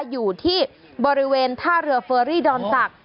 อยู่ที่บริเวณท่าเรือเฟอรี่ดอนศักดิ